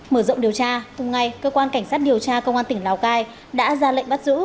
mở rộng điều tra cùng ngày cơ quan cảnh sát điều tra công an tỉnh lào cai đã ra lệnh bắt giữ